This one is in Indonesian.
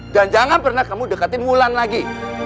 dan jangan pernah kamu dekatin mulan lagi